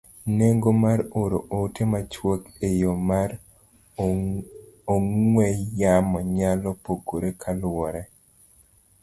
Nengo mar oro ote machuok e yo mar ong'we yamo nyalo pogore kaluwore